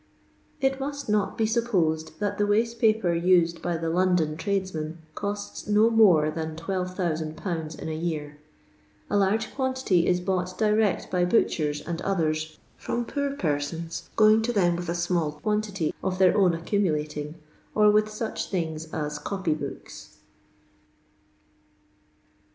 It roiut not be lupposed that the watte paper need by the London tiadetmen ooatf no more than 12,000/. in a year. A laige quantity ie boi:(ght direct by butchert and othen from poor penona going to them with a small quantity of their own aoenmulating, or with such things ai copy booki.